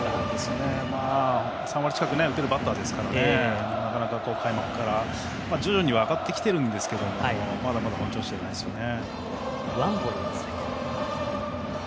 ３割近く打てるバッターですから徐々に上がってきているんですがまだまだ本調子じゃないですね。